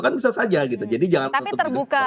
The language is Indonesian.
kan bisa saja gitu jadi jangan untuk dibuka